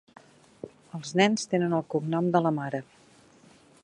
Els nens tenen el cognom de la mare.